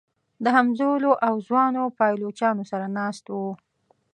د همزولو او ځوانو پایلوچانو سره ناست و.